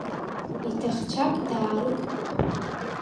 Иҭахцәак даарықәгәыӷт.